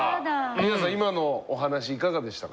皆さん今のお話いかがでしたか？